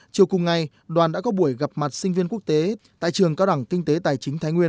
chiều cùng ngày đoàn đã có buổi gặp mặt sinh viên quốc tế tại trường cao đẳng kinh tế tài chính thái nguyên